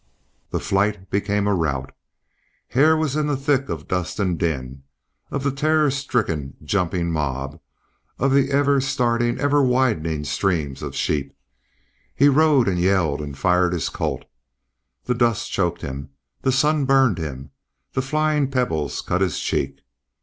The flight became a rout. Hare was in the thick of dust and din, of the terror stricken jumping mob, of the ever starting, ever widening streams of sheep; he rode and yelled and fired his Colt. The dust choked him, the sun burned him, the flying pebbles cut his cheek.